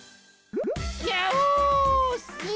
ギャオス！